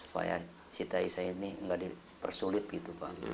supaya siti aisah ini gak dipersulit gitu pak lalu